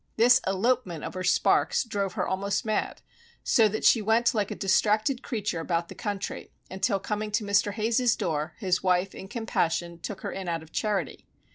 This elopement of her sparks drove her almost mad, so that she went like a distracted creature about the country, until coming to Mr. Hayes's door, his wife in compassion took her in out of charity.